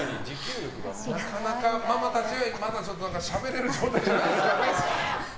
なかなかママたちはまだしゃべれる状態じゃない。